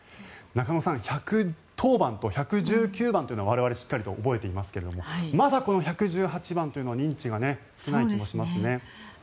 中野さん、１１０番と１１９番というのは我々しっかり覚えていますがまだこの１１８番というのは認知がされていないような気がしますね。